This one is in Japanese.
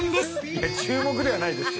いや注目ではないです。